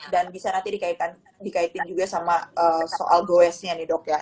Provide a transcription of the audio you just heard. dan bisa nanti dikaitkan juga sama soal gowesnya nih dok ya